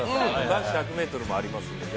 男子１００ｍもありますので。